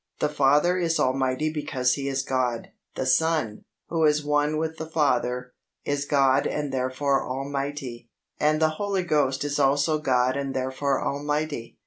The Father is Almighty because He is God, the Son, who is one with the Father, is God and therefore Almighty, and the Holy Ghost is also God and therefore Almighty.